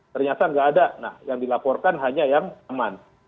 ternyata nggak ada nah yang dilaporkan hanya yang aman